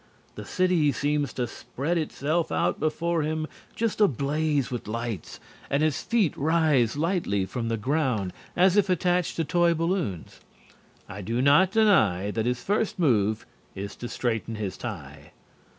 The city seems to spread itself out before him just ablaze with lights and his feet rise lightly from the ground as if attached to toy balloons. I do not deny that his first move is to straighten his tie.